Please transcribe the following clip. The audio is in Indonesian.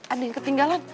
ada yang ketinggalan